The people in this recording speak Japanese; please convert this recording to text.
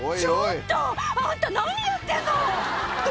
ちょっと！あんた、何やってんの！